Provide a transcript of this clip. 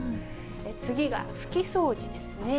次が拭き掃除ですね。